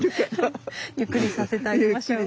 ゆっくりさせてあげましょう。